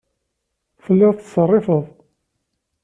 Telliḍ tettṣerrifeḍ.